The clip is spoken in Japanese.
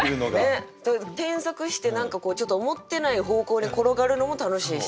ねえ。添削して何かちょっと思ってない方向に転がるのも楽しいしね。